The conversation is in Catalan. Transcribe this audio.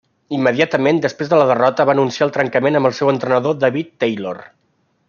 Immediatament després de la derrota va anunciar el trencament amb el seu entrenador David Taylor.